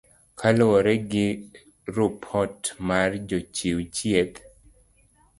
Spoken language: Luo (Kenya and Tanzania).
Kaluwore gi rupot mar Jochiw chieth.